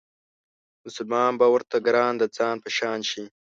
مسلمان به ورته ګران د ځان په شان شي